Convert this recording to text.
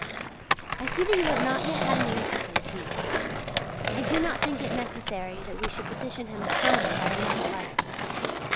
I see that you have not yet had an answer from T. I do not think it necessary that we should petition him further by another letter.